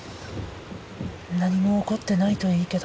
何も起こってないといいけど。